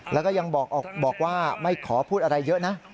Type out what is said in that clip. แล้วก็ยังบอกว่าไม่ขอพูดอะไรเยอะนะ